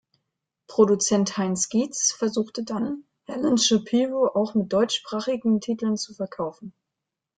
Produzent Heinz Gietz versuchte dann, Helen Shapiro auch mit deutschsprachigen Titeln zu verkaufen.